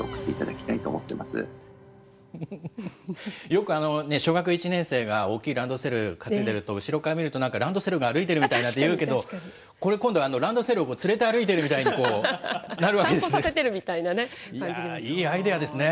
よく小学１年生が大きいランドセル担いでいると、後ろから見ると、なんかランドセルが歩いてるみたいだって言うけれども、これ、今度、ランドセルを連れて歩いているみたいにこう、なるわけですね。